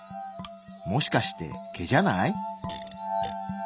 もしかして毛じゃない？